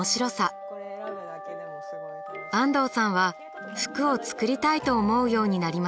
安藤さんは服を作りたいと思うようになります。